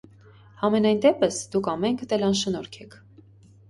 Համենայն դեպս, դուք ամենքդ էլ անշնորհք եք.